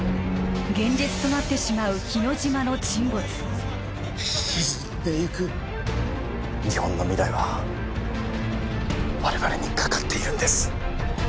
現実となってしまう日之島の沈没沈んでいく日本の未来は我々にかかっているんです